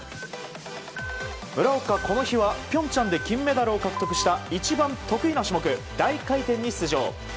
村岡、この日は平昌で金メダルを獲得した一番得意な種目、大回転に出場。